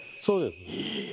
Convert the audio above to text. そうです。